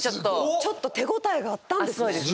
ちょっと手応えがあったんですね。。